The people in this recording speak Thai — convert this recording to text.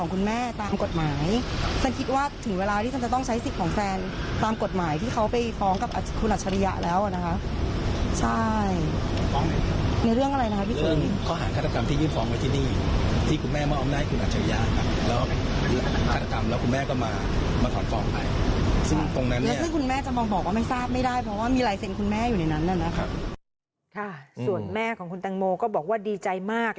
ส่วนแม่ของคุณตังโมก็บอกว่าดีใจมาก